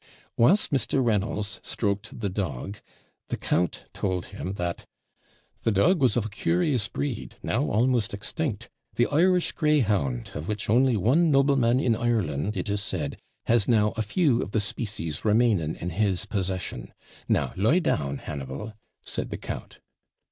Whilst Mr. Reynolds stroked the dog, the count told him that 'the dog was of a curious breed, now almost extinct the Irish greyhound, of which only one nobleman in Ireland, it is said, has now a few of the species remaining in his possession Now, lie down, Hannibal,' said the count.